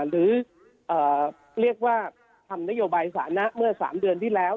หรือเรียกว่าทำนโยบายสถานะเมื่อ๓เดือนที่แล้ว